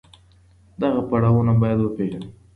دغه پړاوونه بايد وپېژنو.